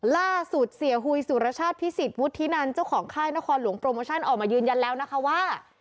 ล่าสุดเสียหุยสุรชาติพิสิทธิวุฒินันเจ้าของค่ายนครหลวงโปรโมชั่นออกมายืนยันแล้วนะคะว่า